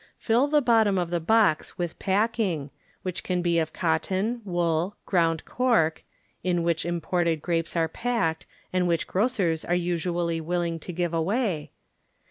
Fill the bottom of the box with packing, which can be of cotton, wool, ground cork (in which im ported grapes are packed and whidi grocers are usually willing to give away).